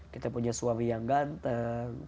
kita punya suami yang ganteng